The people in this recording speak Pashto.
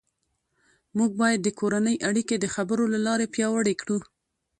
موږ باید د کورنۍ اړیکې د خبرو له لارې پیاوړې کړو